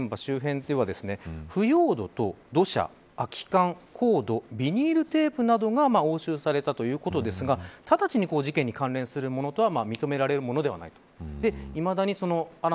新野さんの遺体が発見現場周辺では腐葉土、土砂、空き缶、コードビニールテープなどが押収されたということですが直ちに事件に関連するものと認められるものではないと。